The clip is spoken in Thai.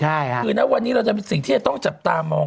ใช่ค่ะคือณวันนี้เราจะมีสิ่งที่จะต้องจับตามอง